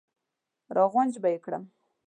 را غونج به یې کړم.